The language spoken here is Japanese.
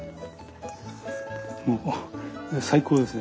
もう最高ですね。